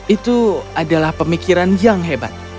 itu adalah pemikiran yang hebat